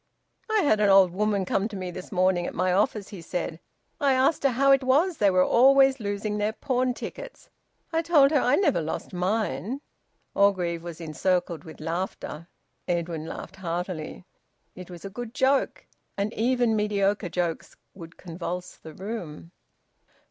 "I had an old woman come to me this morning at my office," he said. "I asked her how it was they were always losing their pawn tickets. I told her I never lost mine." Osmond Orgreave was encircled with laughter. Edwin laughed heartily. It was a good joke. And even mediocre jokes would convulse the room.